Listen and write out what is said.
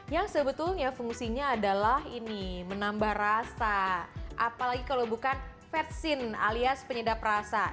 yang sebetulnya fungsinya adalah ini menambah rasa apalagi kalau bukan fet scene alias penyedap rasa